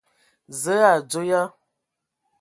Zǝə, o adzo ya ?